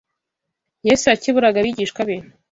yesu yakeburaga abigishwa be